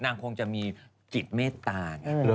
นางคงจะมีจิตเมตตาไง